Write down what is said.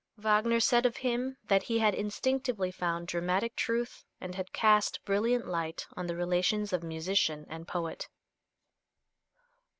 Wagner said of him that he had instinctively found dramatic truth and had cast brilliant light on the relations of musician and poet.